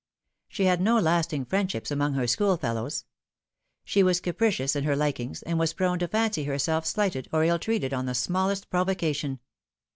She had no lasting friendships among her schoolfellows. She was capricious in her likings, and was prone to fancy herself slighted or ill treated on the smallest provocation.